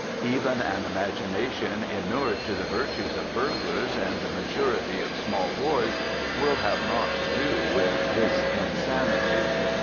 Even an imagination inured to the virtues of burglars and the maturity of small boys will have naught to do with this insanity.